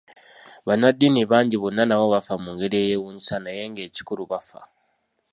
Bannaddiini bangi bonna nabo bafa mu ngeri eyewuunyisa naye ng'ekikulu bafa.